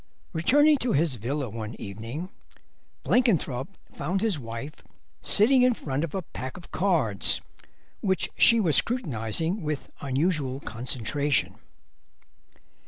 Returning to his villa one evening Blenkinthrope found his wife sitting in front of a pack of cards, which she was scrutinising with unusual concentration.